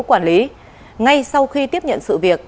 quản lý ngay sau khi tiếp nhận sự việc